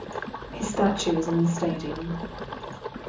His statue is in the stadium.